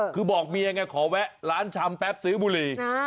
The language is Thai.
คือบอกเมียไงขอแวะร้านชำแป๊บซื้อบุหรี่